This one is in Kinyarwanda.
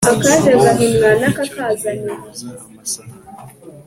bob icyo gihe yoza amasahani